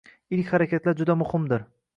Ilk harakatlar juda muhimdir.